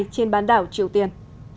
trên bán đảo triều tiên